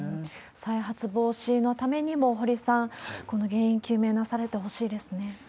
再発防止のためにも、堀さん、この原因究明、なされてほしいですね。